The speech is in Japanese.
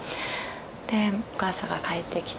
でお母さんが帰ってきて。